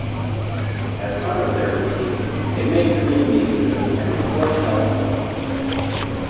As part of their routine, they may clean the exhibits and report health problems.